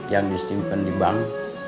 yang disimpen di bank